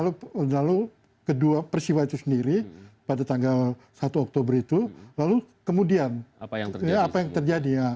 lalu kedua peristiwa itu sendiri pada tanggal satu oktober itu lalu kemudian apa yang terjadi